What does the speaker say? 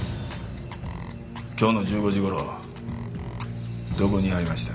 今日の１５時頃どこにいはりました？